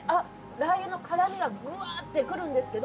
ラー油の辛味がぐわって来るんですけど